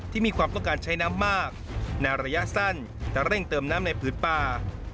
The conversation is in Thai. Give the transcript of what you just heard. มีความต้องการใช้น้ำมากในระยะสั้นจะเร่งเติมน้ำในผืนป่า